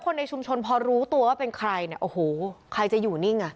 ในชุมชนพอรู้ตัวว่าเป็นใครเนี่ยโอ้โหใครจะอยู่นิ่งอ่ะ